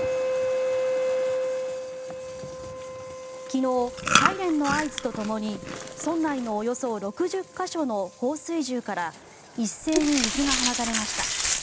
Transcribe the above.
昨日、サイレンの合図とともに村内のおよそ６０か所の放水銃から一斉に水が放たれました。